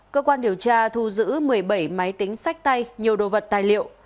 cơ quan điều tra thu giữ một mươi bảy máy tính sách tay nhiều đồ vật tài liệu